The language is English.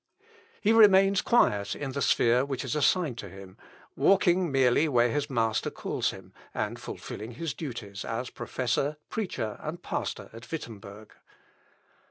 He remains quiet in the sphere which is assigned to him, walking merely where his Master calls him, and fulfilling his duties as professor, preacher, and pastor, at Wittemberg.